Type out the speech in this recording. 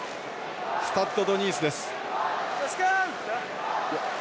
スタッド・ド・ニースです。